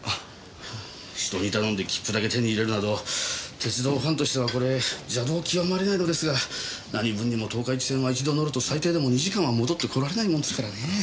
人に頼んで切符だけ手に入れるなど鉄道ファンとしてはこれ邪道極まりないのですが何分にも十日市線は一度乗ると最低でも２時間は戻ってこられないもんですからねぇ。